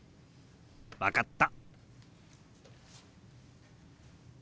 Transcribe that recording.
分かった。